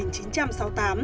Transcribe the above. chồng hy sinh